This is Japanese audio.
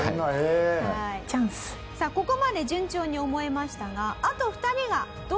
さあここまで順調に思えましたが。